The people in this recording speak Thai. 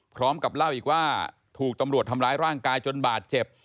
พร้อมกับเล่าอีกว่าถูกตำรวจทำร้ายร่างกายจนบาดเจ็บ